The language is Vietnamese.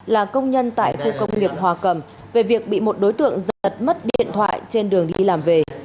là công nhân tại khu công nghiệp hòa cầm về việc bị một đối tượng giật mất điện thoại trên đường đi làm về